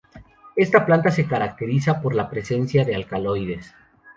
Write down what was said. Esta planta se caracteriza por la presencia de alcaloides.